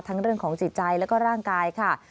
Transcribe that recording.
เรื่องของจิตใจแล้วก็ร่างกายค่ะ